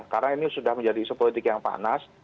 karena ini sudah menjadi isu politik yang panas